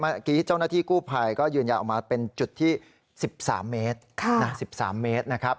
เมื่อกี้เจ้าหน้าที่กู้ภัยก็ยืนยาออกมาเป็นจุดที่๑๓เมตรนะครับ